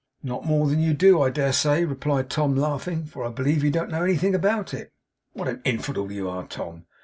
'Not more than you do, I dare say,' replied Tom, laughing. 'For I believe you don't know anything about it.' 'What an infidel you are, Tom!